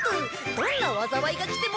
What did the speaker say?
どんな災いが来ても。